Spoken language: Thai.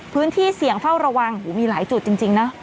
พื้นที่เสี่ยงเฝ้าระวังมีหลายจุดจริงนะ